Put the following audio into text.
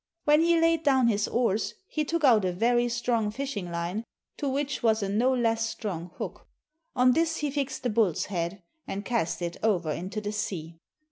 When he laid down his oars, he took out a very strong fishing line to which was a no less strong hook. On this he fixed the bull's head and cast it over into the sea.